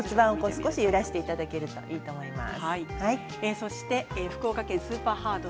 少し揺らしていただけるといいと思います。